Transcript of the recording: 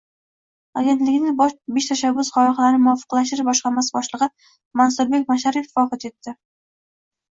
Agentlikning Besh tashabbus loyihalarini muvofiqlashtirish boshqarmasi boshlig‘i Mansurbek Masharipov vafot etdi